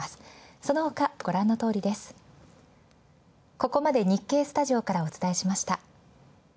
ここまで日経スタジオからお伝えしました。